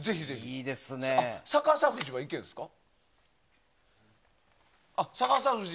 逆さ富士はいけるんですか？